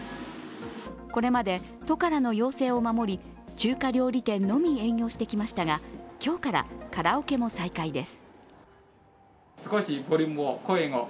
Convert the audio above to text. これまで都からの要請を守り、中華料理店のみ営業してきましたが今日からカラオケも再開です。